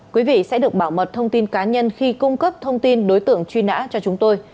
quý vị sẽ được bảo mật thông tin cá nhân khi cung cấp thông tin đối tượng truy nã cho chúng tôi